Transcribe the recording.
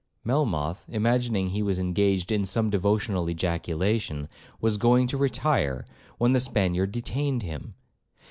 Melmoth, imagining he was engaged in some devotional ejaculation, was going to retire, when the Spaniard detained him.